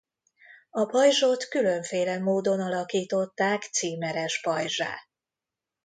A pajzsot különféle módon alakították címeres pajzssá.